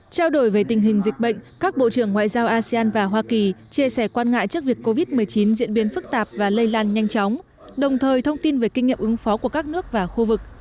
trao đổi về tình hình dịch bệnh các bộ trưởng ngoại giao asean và hoa kỳ chia sẻ quan ngại trước việc covid một mươi chín diễn biến phức tạp và lây lan nhanh chóng đồng thời thông tin về kinh nghiệm ứng phó của các nước và khu vực